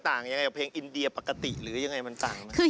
การทำงานที่นู่น